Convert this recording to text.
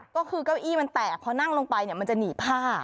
ก็คือก้าวอี้มันแตกเพราะนั่งลงไปมันจะหนีผ้า